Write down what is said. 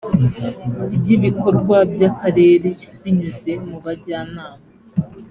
ry ibikorwa by akarere binyuze mu bajyanama